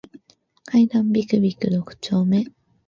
階段ビクビク六丁目